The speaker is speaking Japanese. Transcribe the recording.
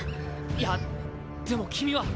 いやでも君は。